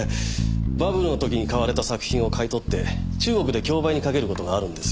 バブルの時に買われた作品を買い取って中国で競売にかける事があるんですよ。